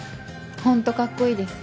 ほんとかっこいいです